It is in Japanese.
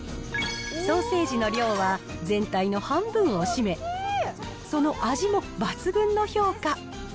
ソーセージの量は全体の半分を占め、その味も抜群の評価。